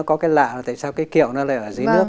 cái lạ là tại sao cái kiệu nó lại ở dưới nước